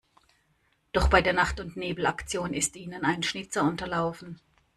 Doch bei der Nacht-und-Nebel-Aktion ist ihnen ein Schnitzer unterlaufen.